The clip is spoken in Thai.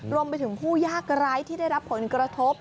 รวมไปถึงผู้ยากไร้ที่ได้รับผลกระทบ